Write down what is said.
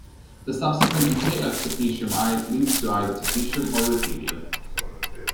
The subsequent decay of Tc leads to either Tc or Ru.